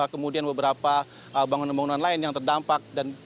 kemudian beberapa bangunan bangunan lain yang terdampak